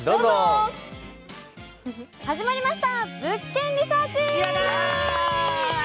始まりました、「物件リサーチ」。